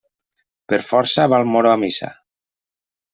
Per força va el moro a missa.